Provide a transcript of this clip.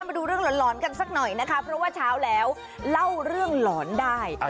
มาดูเรื่องหลอนกันสักหน่อยนะคะเพราะว่าเช้าแล้วเล่าเรื่องหลอนได้